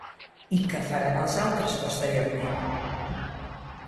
I què faran els altres posteriorment?